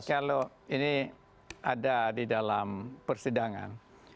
kalau ini ada di dalam persidangan